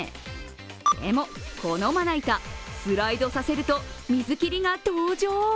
でも、このまな板スライドさせると水切りが登場。